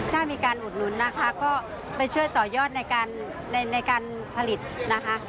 ถ้ามีการอุดหนุนนะคะก็ไปช่วยต่อยอดในการในการผลิตนะคะ